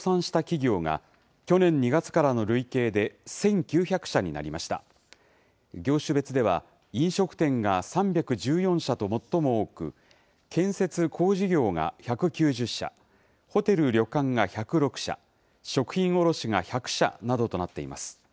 業種別では、飲食店が３１４社と最も多く、建設・工事業が１９０社、ホテル・旅館が１０６社、食品卸が１００社などとなっています。